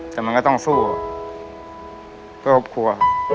แต่มันก็ต้องสู้เพื่อครอบครัว